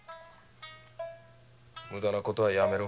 無駄なことはやめろ。